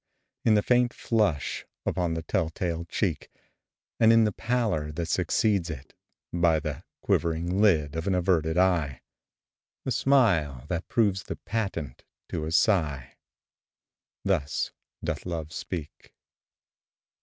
In the faint flush upon the tell tale cheek, And in the pallor that succeeds it; by The quivering lid of an averted eye The smile that proves the patent to a sigh Thus doth Love speak.